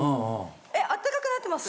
えっ暖かくなってます？